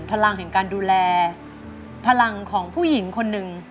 พลังแห่งการดูแลพลังของผู้หญิงคนหนึ่ง